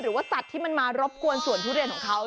หรือว่าสัตว์ที่มันมารบกวนสวนทุเรียนของเขา